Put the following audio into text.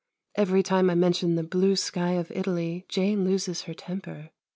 Every time I mention the blue sky of Italy Jane loses her temper.